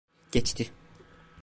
Geçti.